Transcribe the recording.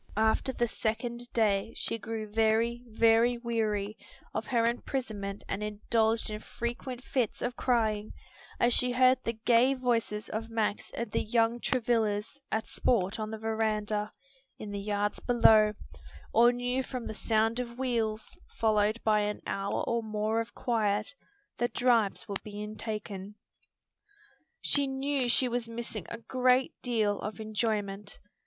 After the second day she grew very, very weary of her imprisonment and indulged in frequent fits of crying as she heard the gay voices of Max and the young Travillas at sport on the veranda, in the yards below, or knew from the sound of wheels, followed by an hour or more of quiet, that drives were being taken. She knew she was missing a great deal of enjoyment.